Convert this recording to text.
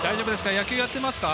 野球やってますか？